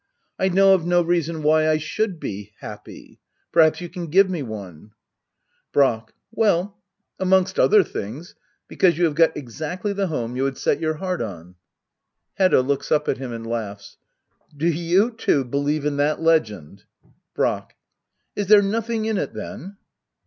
] I know of no reason why I should be — happy. Perhaps you can give me one ? Brack. Well — amongst other things, because you have got exactly the home you had set your heart on. Hedda. [Looks up at Mm and latighs,] Do you too believe in that legend ? Brack. Is there nothing in it, then